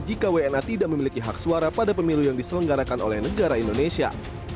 jika wna tidak memiliki hak suara pada pemilu yang diselenggarakan oleh negara indonesia